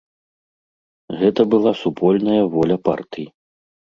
Гэта была супольная воля партый.